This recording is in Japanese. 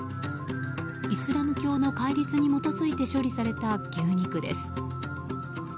イスラム教の戒律に基づいて処理された牛肉です。